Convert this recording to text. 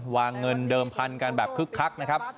วางเงินเดิมพันกันแบบคึกคลัก